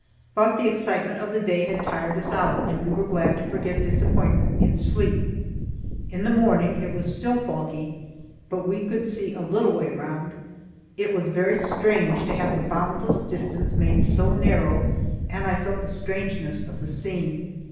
But the excitement of the day had tired us out, and we were glad to forget disappointment in sleep. In the morning it was still foggy, but we could see a little way around. It was very strange to have the boundless distance made so narrow, and I felt the strangeness of the scene.